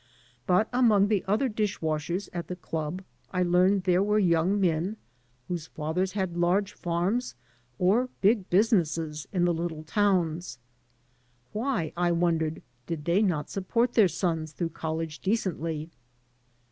But among the other dish washers at the club I learned there were yoimg men whose fathers had large farms or big businesses in the little towns. Why, I wondered, did they not support their sons through college decently?